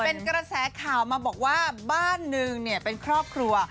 เป็นกระแสข่าวมาบอกว่าบ้านหนึ่งเนี่ยเป็นครอบครัว